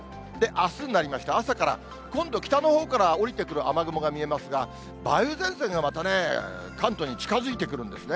あすになりまして、朝から、今度、北のほうから下りてくる雨雲が見えますが、梅雨前線がまたね、関東に近づいてくるんですね。